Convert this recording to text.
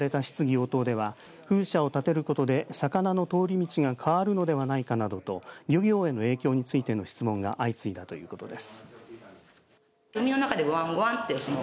その後、非公開で行われた質疑応答では風車を建てることで魚の通り道が変わるのではないかなどと漁業への影響についての質問が相次いだということです。